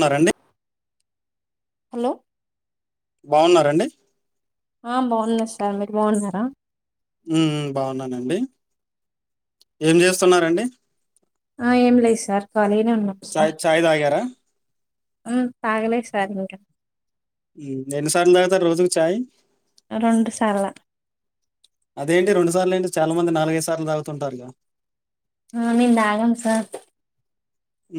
న్నారండి hello బావున్నారండి ఆ బాఉన్నా సార్ మీరు బాగున్నారా ఉ బాగున్నానండి ఏం చేస్తునారండి ఆ ఏం లేదు సార్ కాలే చాయ్ చాయ్ తాగారా హూ తాగలే సార్ ఇంకా ఉ ఎన్నిసార్లు తాగుతారు రోజుకు చాయి రెండు సార్ల అదేంటి రెండు సార్లు ఏంటి చాలా మంది నాలుగైదు సార్లు తాగుతుంటారు గా ఆ మేము తాగం సార్ ఊ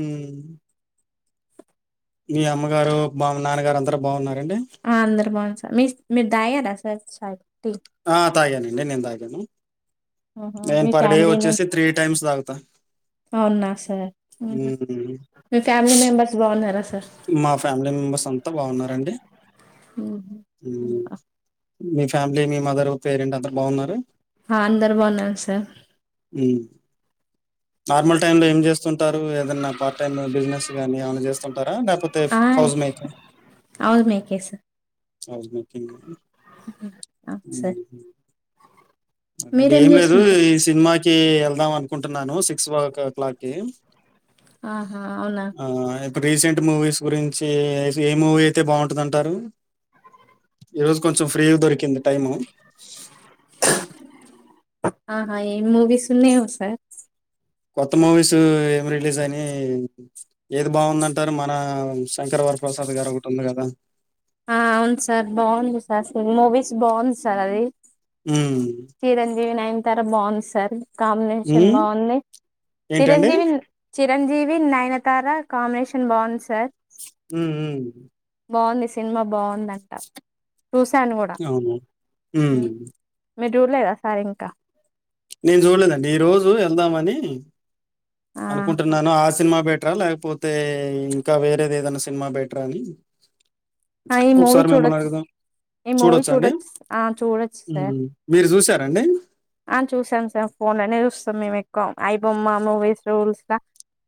మీ అమ్మగారు బా నాన్నగారు అందరు బాగున్నారు ఆ అందరు బాగున్నారు సార్ మీ మీరు తాగారా సార్ ఛాయ్ ఆ తాగాను అండి నేను తాగా కాను అహ మీ ఫ్యామిలీ మెబా టైమ్స్ తాగుతా అవున సార్ ఊహు ఉమ్, మీ ఫ్యామిలీ మెంబర్స్ బాగున్నార మా ఫ్యామిలీ మెంబెర్స్ అంతా బాగున్నారండి ఉహు. హూ మీ ఫ్యామిలీ మీ మదర్ పేరెంట్ అందరు బాగున్నార ఆ అందరు బాగున్నాము సార్ ఊ నార్మల్ టైమ్ లో ఏం చేస్తుంటారు ఏదైన్నా పార్ట్ టైమ్ బిజినెస్ గాని ఏమన్నా చేస్తా తరా లేకపోతే ఆ హౌస్ మేక అవును మీకే ఆ హౌస్ మేకింగ్ ఊహు ఆ సార్ అంటే మీరేం ఏం లేదు చేస్తుంటారు ఈ సార్ సినిమా కి వెళ్దాం అనుకుంటున్నాను సిక్స్ ఓ క్లాక్ కి ఆహా అవునా ఆ రీసెంట్ మూవీస్ గురించి ఏ మూవీ అయితే బాగుంటది అంటారు ఈ రోజు కొంచం ఫ్రీగా దొరికింది టైము అహ ఏ మూవీస్ ఉన్నాయా సార్ కొత్త మూవీస్ ఏమి రిలీజ్ అయినాయి ఏది బాగుందంటారు మన శంకరవరప్రసాద్ గారు ఒకటి ఉంది కదా ఆ అవును సార్ బాగుంది సార్ మూవీస్ బాగుంది సార్ అది ఉమ్ చిరంజీవి నైనా తరా బాగుంది సార్ కాంబినేషన్ ఉమ్ బాగుంది ఏంటండి చిరంజీవి చిరంజీవి నయనతారా కాంబినేషన్ బాగుంది సార్ ఉమ్ ఉమ్ బాగుంది సా సినిమా బాగు దంట చూశాను కూడా అవును ఉమ్ మీరు చూడలేదా సార్ ఇంకా నేను చూడలేదండి ఈ రోజు వెళ్దామని అనుకుంటున్నాను ఆ సినిమా బెట్ లేకపోతే ఇంకా వేరేది ఏదనా సినిమా బెటర్ రా అని ఆ ఈ మూవీ ఒకసారి మిమ్మల్ని చూడొచ్చు సా అడుగుదాం. ఈ మూవీ చూడొచ్చా అండి? చూడొచ్చు ఆ చూడొచ్చు సార్ హ్మ్. మీరు జూసారా అండి చూసాం సార్ ఫోన్నే చూస్తాం మేము ఎక్కువ అయిబమ్మ మూవీస్ రూల్స్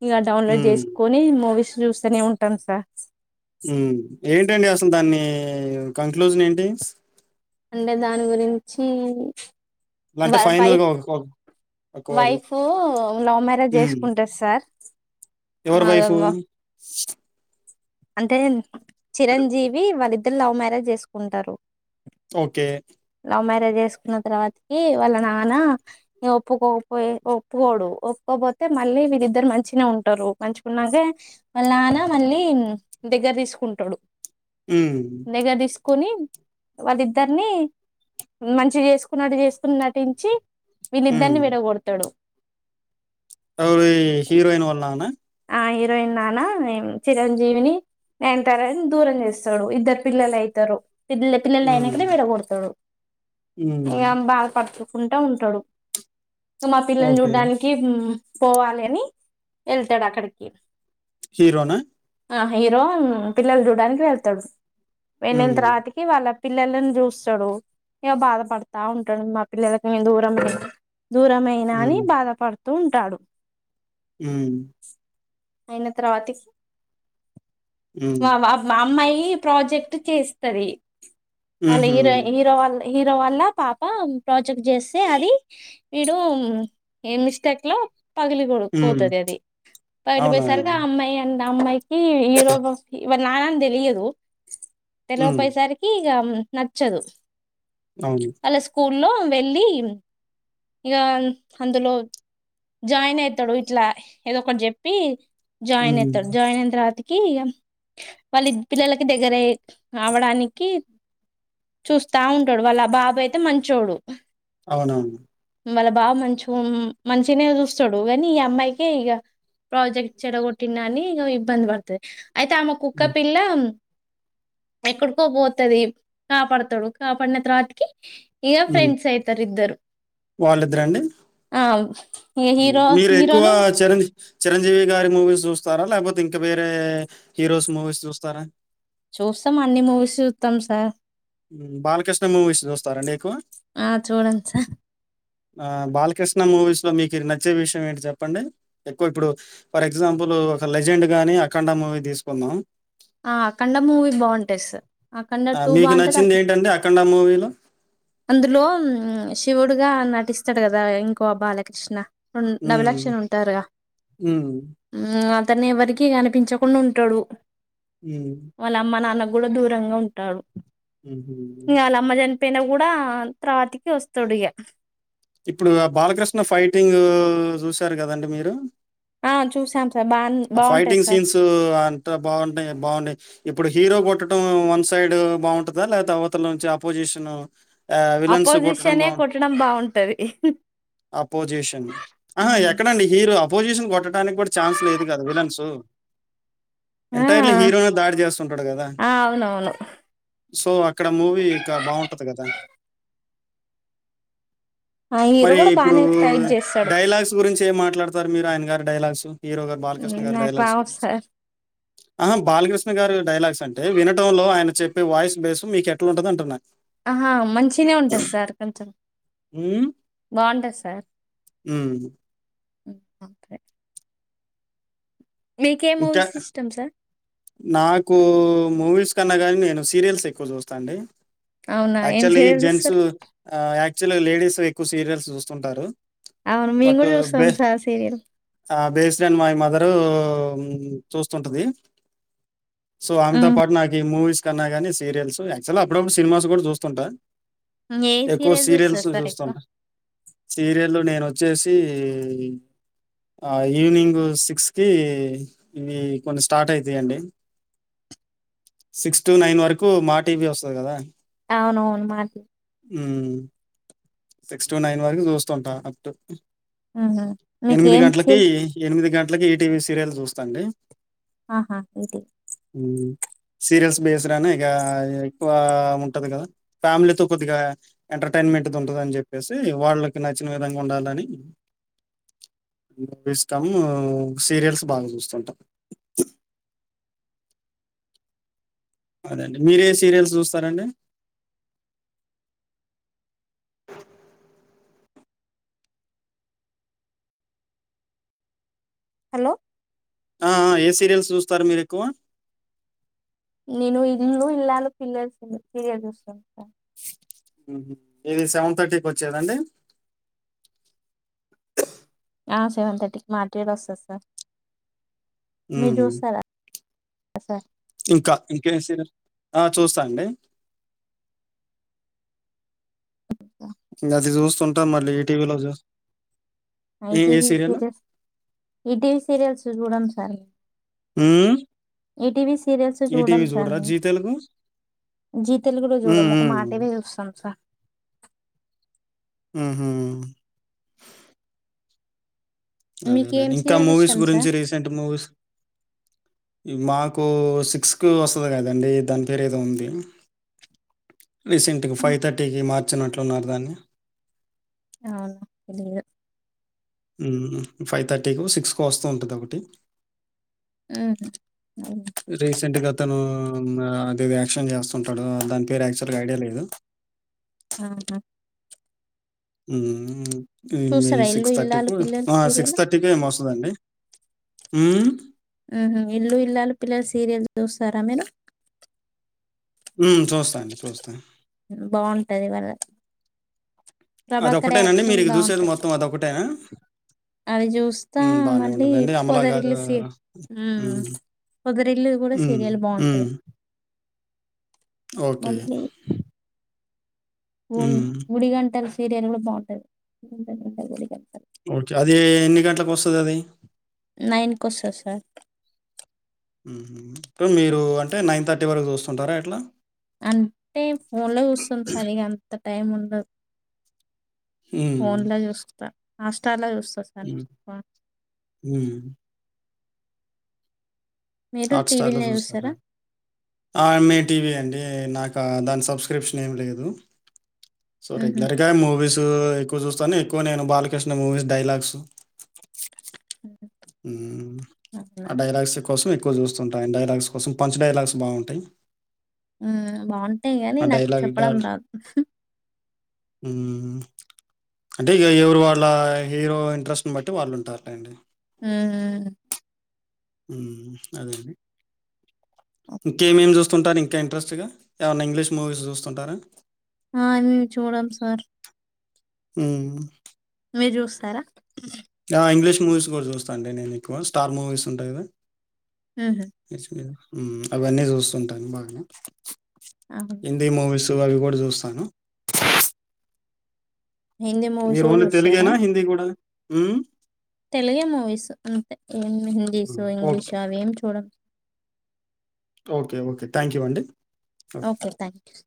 ఇగ డౌన్లోడ్ హ్మ్. చేసుకొని మూవీస్ చూస్తనే ఉంటాం సార్ ఉమ్ ఏంటండి అసలు దాన్ని కంక్లూజన్ ఏంటి అంటే దాని గురించి అంటే వైఫ్ ఫైనల్‌గా ఒక ఒక ఒక వర్డ్‌లో. వైఫ్ లవ్ మ్యారేజ్ చేసుకుంటది సార్ ఎవరు ఆ వైఫ్వు అంటే చిరంజీవి వళ ఇద్ ఇద్ద లవ్ మ్యారేజ్ చేసుకుంటారు ఓకే లవ్ మ్యారేజ్ చేసుకున్న తర్వాతకి వాళ్ళ నాన్న ఒప్పుకోకపో ఒప్పుకోడు ఒప్పుకోపోతే మళ్ళీ వీరిద్దరు మంచిన ఉంటారు మంచుకున్నాక వాళ్ళ నాన్న మళ్ళీ దగ్గర తీసుకుంటాడు అ కొని వాళ్ళిద్దరిని మంచిగా చేసుకున్నటు చేసుకుని నటించి వీళ్ళిద్దరిని విడ కొడతాడు రు హీరోయిన్ వర్లంగ్నా ఆ హీరోయిన్ నాన్నే చిరంజీవిని నేను తర దూరం చేస్తాడు ఇద్దరు పిల్లలు అవుతారు పిల్లల పిల్లలు హ్మ్. అయినాకడ విడ కొడతాడు ఇంకా హ్మ్. బాధ పడుతుడు ఉంటా ఉంటాడు మా పిల్లని ఓకే. చూడ్డానికి పోవాలి అని వెళ్ తడా కడకి హీరోనా ఆ హీరో పిల్లలు చూడడానికి వెళ్తాడు మంత హ్మ్. రాతకి వాళ్ళ పిల్లని చూస్తాడు ఇకో బాధపడతా ఉంటాడు మా పిల్లలలక దూరం దూరమయినా అని హ్మ్. బాధపడుతంది తూ ఉంటాడు ఆ అయిన తర్వాతకి హ్మ్. మా మా అమ్మాయి ఈ ప్రాజెక్ట్ చేస్తది అల్ హుహు. హరో హరో అల్ హీరో వల్ల పాప ప్రాజెక్ట్ చేస్తే అది వీడు ఏ మిస్టేక్ లో పగిలి కొడు హ్మ్. పోతుది అది పైలి అవునా? పోయసరిగా అమ్మాయి అ అమ్మాయికి ఈరో ఇవ నానం తెలియదు హ్మ్. తెలవపయసారికి నచ్చదు అవును స్కూలో వెళ్ళి ఇక అందులో జాయిన్ అయితాడు ఇట్లా ఏదో ఒకటి చెప్పి హ్మ్. జాయిన్తరు జాయిన్ంత రాతి కి వాళ్ళ పిల్లలకి దగ్గర అవడానికి చూస్తా ఉంటడు వాళ్ళ బాబు అయితే మంచోడు అవునవును వాళ్ళ బాబ మంచ మంచినే చూస్తాడు గానీ ఈ అమ్మాయి క ఈగ ప్రాజెక్ట్ చెడగొట్టినని ఇగ ఇబ్బంది బడుతది అయితే ఆమె కుక్క హ్మ్. పిల్ల ఎక్కడికో పోతది కాపాడతాడు కాపాడిన తర్వాతకి ఇగ హ్మ్. ఫ్రెండ్స్ అయితారుద్దరు వాళ్ళిద్దరండి? ఆ ఏ హీరో హీరోను చిరం చిరంజీవి గారి మూవీస్ చూస్తారా లేకపోతే ఇంకా వేరే హీరోస్ మూవీస్ చూస్తారా చూస్తాం అన్ని మూవీస్ చూస్తాం సార్ హ్మ్. బాలకృష్ణ మూవీస్ చూస్తారండి ఆ చూడండి సార్ ఆ బాలకృష్ణ మూవీస్ లో మీకు నచ్చే విషయం ఏంటి చెప్పండి ఎక్కువ ఇప్పుడు ఫర్ ఎగ్జాంపుల్ ఒక లెజెండ్ గాని అఖండ మూవీ తీసుకుందాం ఆ అఖండ మూవీ బావుంటది సార్ అకండ ఆ! టూ మీకు బాగుంటది అక నచ్చింది ఏంటండి 'అఖండ' మూవీలో? అందులో శివుడుగా నటిస్ స్తాడు కదా ఇంకో బాలకృష్ణ డబల్ హ్మ్. ఆక్షన్ ఉంటారుగా హ్మ్. మ్మ్ అతను ఎవరికీ కనిపించకుండా ఉంటాడు హ్మ్. వాళ్ళ అమ్మ నాన్న కూడా దూరంగా ఉంటాడు మ్మ్ హ్ పేన కూడా తర్వాతికి వస్తాడిగా ఇప్పుడు బాలకృష్ణ ఫైటింగ్ చూశారు కదండి మీరు ఆ చూసాం సార్ బాన్ ఆ బావుంటది ఫైటింగ్ సార్. సీన్స్ అంతా బాగుంటాయి బాగున్నాయి ఇప్పుడు హీరో కొట్టడం వన్ సైడ్ బావుంటదా లేతే అవతల నుంచి అపోజిషన్ ఆ విలన్స్ కొట్టడం అపోజిషనే బావుం కొట్టడం బావుంటది. అపోజిషన్ ఆహా హ్మ్. ఎక్కడండి హీరో అపోజిషన్ కొట్టడానికి కూడా ఛాన్స్ లేదు కాదు విలన్సు ఆ! ఎంటైర్లీ హీరోనే దాడి చేస్తుంటాడు కదా ఆ! అవునవును. సో అక్కడ మూవీ ఇంకా బాగుంటది కదా ఆ హీరో మరి కూడా ఇప్పుడు బానే ఫైట్ చేస్తాడు. డైలాగ్స్ గురించి ఏం మాట్లాడతారు మీరు ఆయన గారి డైలాగ్స్ హీరో గారు బాలకృష్ణ హ్మ్ గారు నాకు డైలాగ్స్ రావు సార్. ఆహా బాలకృష్ణ గారు డైలాగ్స్ అంటే వినటంలో ఆయన చెప్పే వాయిస్ బేస్ మీకు ఎట్లా ఉంటది అంటున్నా ఆహా మంచినే ఉంటుంది సార్ కొంచెం హ్మ్. బావుంటది సార్ హ్మ్. ఓకే మీకు ఏ ఇంకా మూవీస్ ఇష్టం సార్ నాకు మూవీస్ కన్నా కానీ నేను సీరియల్స్ ఎక్కువ చూస్తా అండి అవునా ఏం ఆక్చుల్ సీరియల్ జెంట్స్ చూస్తారు? ప్ర లేడీస్ ఎక్కువ సీరియల్స్ చూస్తుంటారు అవును మీన్ బట్ కూడా బే చూస్తాం సార్ సీరియల్ మ చూస్తుంటది సో ఆమెతో హ్మ్. పాటు నాకు ఈ మూవీస్ కన్నా కానీరియల్స్యాక్చువల్ అప్పుడప్పుడు సినిమాస్ కూడా చూస్తుంటా ఏ ఎక్కువ సీరియల్ సీరియల్స్ చూస్తారు సార్ ఎక్కువ చూస్తుంట సీరియల్ లో నేను వచ్చేసి ఈవినింగ్ సిక్స్ కి ఇది కొన్ని స్టార్ట్ అవు ఇ అండి సిక్స్ టు నైన్ వరకు మా టీవీ వస్తుంది కదా అవునవును మాట సిక్స్ టు నైన్ వరకు చూస్తుంటా ఉంటా ఉహు ఎనిమిది మీకేం గంటలకి సీరి ఎనిమిది గంట ఇట్లకి ఈ టీవీ సీరియల్ చూస్తండి ఆహా ఇది సీరియల్స్ బేస్డ్ అయినా ఇక ఎక్కువ ఉంటుంది కదా ఫ్యామిలీతో కొద్దిగా ఎంటర్టైన్మెంట్ ఉంటుంది అని చెప్పేసి వాళ్ళకి నచ్చిన విధంగా ఉండాలని మూ ఇష్టాము సీరియల్స్ బాగా చూస్తుంటాం అదండి మీరే సీరియల్స్ చూస్తారండి హలో ఆఆ ఏ సీరియల్స్ చూస్తారు మీరు ఎక్కువ నేను ఇల్లు ఇల్లాలో పిల్లల్ సీరియల్ చూస్తా ఇది సెవెన్ థర్టీకి వచ్చేదండి ఆ సెవెన్ థర్టీకి మాటివిలో వస్తంది సార్ మీర్ ఉమ్. చూస్తారా అ సార్ ఇంకా ఇంకే సీరియల్ ఆ చూస్తా అండి ఇ అది చూస్తుంటా మళ్ళీ ఈటీవీలో చూస్ ఐటీవీ సీరియల్స్ ఈటీవీ సీరియల్స్ చూడమ్ సార్ సీరియల్ ఈటీవవి సీరియల్స్ చూడం ఈటీవీ సార్ చూడరా మేము జీ తెలుగు జీ తెలుగు లో చూడం హ్మ్ ఒక హ్మ్ మాటివి చూస్తాం సార్ ఉమ్ మీకు ఏం ఇంకా సీరియల్ మూవీస్ ఇష్టం గురించి సార్ రీసెంట్ మూవీస్ మాకు సిక్స్కి వస్తుంది కదండి దాని పేరు ఏదో ఉంది రీసెంట్ ఉమ్, ఫైవ్ థర్టీకి మార్ న్నట్లున్నారు దాన్ని అవునా తెలియాద్ ఫైవ్ థర్టీ కు సిక్స్ కు వస్తూ ఉంటుది ఒకటి ఉహు అవునా. రీసెంట్గా తనూ అదిది యాక్షన్ చేస్తుంటాడు దాని పేరు యాక్చువల్గా ఐడియా లేదు ఔనా మ్ మ్ ఇ చూస్తారా ఇల్లు సిక్స్ థర్టీకి ఇల్లాలు పిల్లలు సీరియల్ సిక్స్ థర్టీకి ఏమో వస్తదండి మూ హుహు. 'ఇల్లు ఇల్లాలు పిల్లలు' సీరియల్ చూస్తారామీరు మ్ చూస్తా అండి చూస్తా బాగుంటది వాళ్ళ ప్రభాకర్ అదొకటేనండి యాక్షన్ మీరు ఇక చూసేది బాగుంటది మొత్తం అదొకటేనా అవి చూస్తా హ్మ్. బానే మళ్ళీ ఉంటదండి. 'అమల' గారు పొదరిల్లు సీ హ్మ్. పొదరిల్లు కూడా హ్మ్. సీరియల్ హ్మ్. బాగుంటది ఓకే ఉ హ్మ్. గుడిగంటలు సీరియల్ కూడా బాగుంటది గుండె నిండా గుడిగంటలు ఓకే అది ఎన్ని గంటలకు వస్తది అది నైన్ కోస్తాది సార్ మూహ్ మీరు అంటే నైన్ థర్టీ వరకు చూస్తుంటారా ఎట్లా అంటే ఫోన్ లో చూస్తం సరిగా అంత టైం ఉండద్ ఫోన్లా చూస్తా అష్టటాల హ మీరు హాట్ స్టార్ లో టీవీలనే చూస్తారు చూస్తారా? ఆే టీవీ అండి అంటే నాకు దాని సబ్స్క్రిప్షన్ ఏం లేదు సో హుహు. రెగ్యులర్ గా మూవీస్ ఎక్కు ఎక్కువ చూస్తానే ఎక్కువ నేను బాలకృష్ణ మూవీస్ డైలాగ్స్ అవునా! ఆ డైలాగ్స్ కోసం ఎక్కువ చూస్తుంటా డైలాగ్స్ కోసం పంచ్ డైలాగ్స్ బాగుంటాయి బాగుంటాయి గానీ నాకు డైలాగ్ చెప్పడం దాన్ రాదు అంటే ఇక ఎవరు వాళ్ళ హీరో ఇంట్రెస్ట్ని బట్టి వాళ్ళుంటారులేండి ఆ అదేండి ఇంకేమేమి చూస్తుంటారు ఇంకా ఇంట్రెస్ట్గా ఏమన్నా ఇంగ్లీష్ మూవీస్ చూస్తుంటారా ఆ మేము చూడంం సార్ అ మీరు చూస్తారా ఇంగ్లీష్ మూవీస్ కూడా చూస్తా అండి నేను ఎక్కువ స్టార్ మూవీస్ ఉంటాయి కదా హుహు. ఏ అవన్నీ చూస్తుంటాను బాగానే అవునా! హిందీ మూవీస్ దు అవి కూడా చూస్తాను హిందీ మూవీస్ మీరు గూడా ఓన్లీ జూస్తారా? తెలుగేనా హిందీ కూడా హుమ్ తెలుగే మూవీస్ అంతే ఏం హిందీస్ ఇంగ్లీష్ ఓకే. అవి ఎం చూడన్ ఓకే ఓకే థ్యాంక్ యూ అండి ఓకే థ్యాంక్ యూ